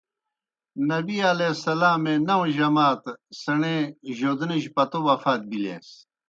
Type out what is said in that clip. نبی علیہ السلام ناؤں جماتَ سیݨے جودنِجیْ پتو وفات بِلِیاسیْ۔